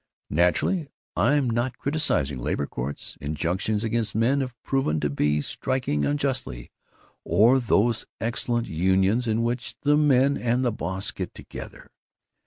Naturally, I'm not criticizing labor courts, injunctions against men proven to be striking unjustly, or those excellent unions in which the men and the boss get together.